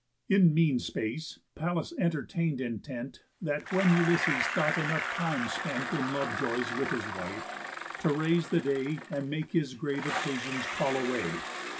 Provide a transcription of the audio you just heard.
In mean space Pallas entertain'd intent That when Ulysses thought enough time spent In love joys with his wife, to raise the day, And make his grave occasions call away.